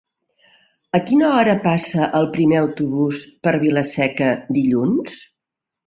A quina hora passa el primer autobús per Vila-seca dilluns?